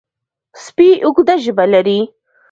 سپي اوږده ژبه لري.